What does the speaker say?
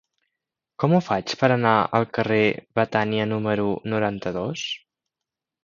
Com ho faig per anar al carrer de Betània número noranta-dos?